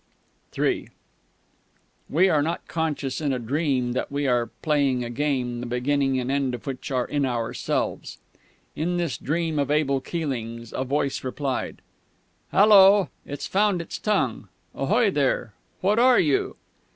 III We are not conscious in a dream that we are playing a game the beginning and end of which are in ourselves. In this dream of Abel Keeling's a voice replied: "_Hallo, it's found its tongue.... Ahoy there! What are you?